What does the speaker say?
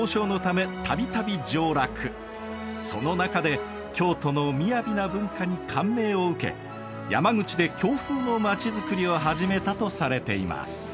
その中で京都の雅な文化に感銘を受け山口で京風の町作りを始めたとされています。